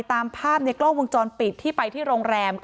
ตามภาพในกล้องวงจรปิดที่ไปที่โรงแรม